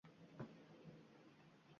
Ular hayron bo‘lishibdi